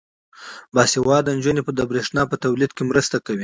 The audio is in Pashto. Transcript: باسواده نجونې د برښنا په تولید کې مرسته کوي.